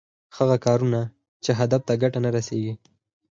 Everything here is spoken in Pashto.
هغه کارونه چې هدف ته ګټه نه رسېږي.